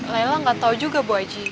lela gak tau juga bu aji